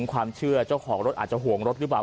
ความเชื่อเจ้าของรถอาจจะห่วงรถหรือเปล่า